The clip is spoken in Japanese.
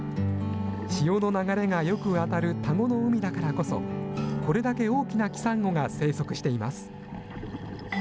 潮の流れがよく当たる田子の海だからこそ、これだけ大きなキサンゴが生息しています。